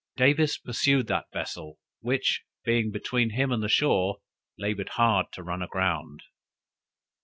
Davis pursued that vessel, which, being between him and the shore, labored hard to run aground.